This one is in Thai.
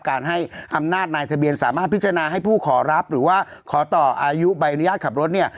การให้อำนาจนายทะเบียนสามารถพิจารณาให้ผู้ขอรับหรือว่าขอต่ออายุใบอนุญาตขับรถเนี่ย